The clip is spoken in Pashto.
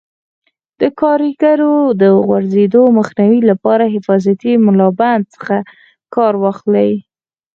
د کاریګرو د غورځېدو مخنیوي لپاره حفاظتي ملابند څخه کار واخلئ.